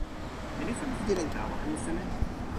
ni li sama sitelen tawa anu seme?